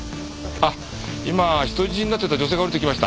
あっ今人質になってた女性が降りてきました。